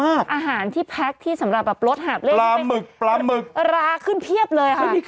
แล้วก็อาหารที่แพ็คที่สำหรับแบบรถหาบเล่นราขึ้นเพียบเลยค่ะ